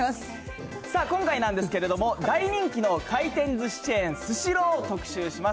さあ、今回なんですけれども、大人気の回転すしチェーン、スシロー、特集します。